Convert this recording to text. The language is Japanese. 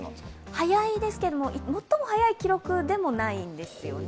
早いですけども、最も早い記録でもないんですよね。